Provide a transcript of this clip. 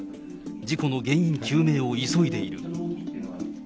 事故の原因究明を急いでいる。